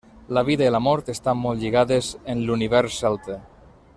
La vida i la mort estan molt lligades en l'univers celta.